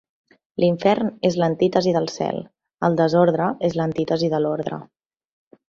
L'Infern és l'antítesi del Cel; el desordre és l'antítesi de l'ordre.